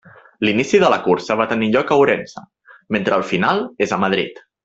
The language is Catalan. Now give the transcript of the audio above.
L'inici de la cursa va tenir lloc a Ourense, mentre el final és a Madrid.